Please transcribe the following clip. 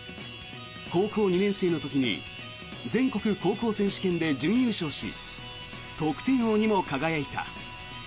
高校２年生の時に全国高校選手権で準優勝し得点王にも輝いた。